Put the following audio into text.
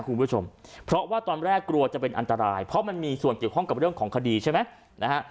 คุณผู้ชมเพราะว่าตอนแรกกลัวจะเป็นอันตรายเพราะมันมีส่วนเกี่ยวข้องกับเรื่องของคดีใช่ไหมนะฮะ